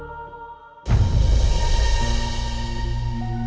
aku harus bantu dengan cara apa